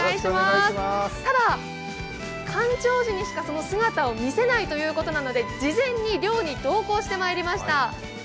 ただ、干潮時にしかその姿を見せないということなので、事前に漁に同行してまいりました。